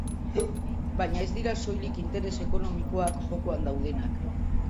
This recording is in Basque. Baina ez dira soilik interes ekonomikoak jokoan daudenak.